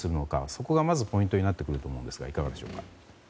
そこがまず、ポイントになってくると思いますがいかがでしょうか？